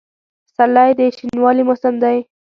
پسرلی د شنوالي موسم دی.